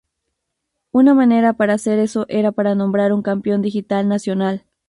Una manera para hacer eso era para nombrar un Campeón Digital nacional.